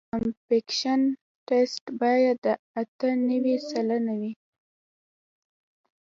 د کمپکشن ټسټ باید اته نوي سلنه وي